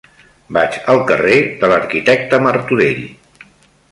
Vaig al carrer de l'Arquitecte Martorell.